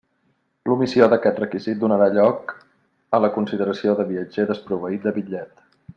L'omissió d'aquest requisit donarà lloc a la consideració de viatger desproveït de bitllet.